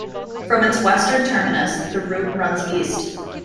From its western terminus, the route runs east.